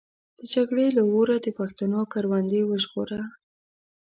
د جګړې له اوره د پښتنو کروندې وژغوره.